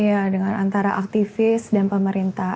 iya dengan antara aktivis dan pemerintah